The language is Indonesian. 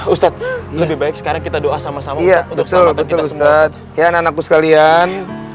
ustadz lebih baik sekarang kita doa sama sama iya betul betul ustadz ya anakku sekalian